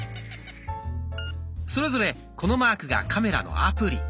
それぞれこのマークがカメラのアプリ。